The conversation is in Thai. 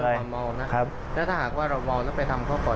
เราเมานะครับแล้วถ้าหากว่าเราเมาแล้วไปทำเขาก่อน